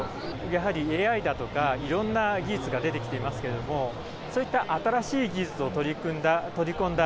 やはりＡＩだとか、いろんな技術が出てきていますけれども、そういった新しい技術を取り込んだ